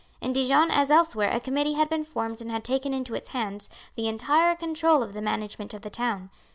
In Dijon as elsewhere a committee had been formed and had taken into its hands the entire control of the management of the town.